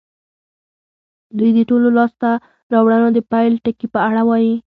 دوی د ټولو لاسته راوړنو د پيل ټکي په اړه وايي.